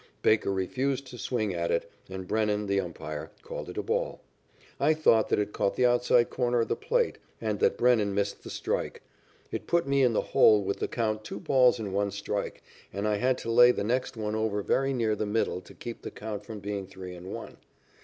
Baker refused to swing at it, and Brennan, the umpire, called it a ball. I thought that it caught the outside corner of the plate, and that Brennan missed the strike. It put me in the hole with the count two balls and one strike, and I had to lay the next one over very near the middle to keep the count from being three and one.